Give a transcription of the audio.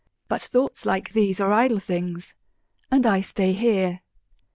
But thoughts like these are idle things, And I stay here.